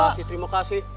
terima kasih terima kasih